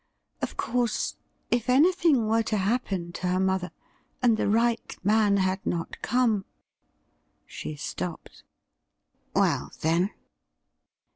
Of course, if anything were to happen to her mother, and the right man had not come ' She stopped. 'Well, then?'